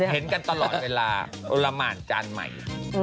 เห็นกันตลอดเวลาโอละหมานจานใหม่